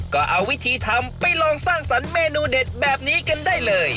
ก็เอาวิธีทำไปลองสร้างสรรค์เมนูเด็ดแบบนี้กันได้เลย